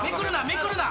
めくるな！